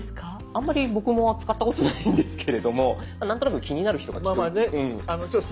あんまり僕も使ったことないんですけれども何となく気になる人がきっと。